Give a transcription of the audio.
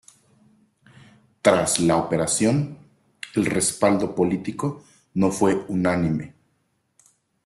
Tras la Operación, el respaldo político no fue unánime.